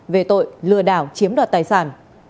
về tội lừa đảo chiếm đoạt tài sản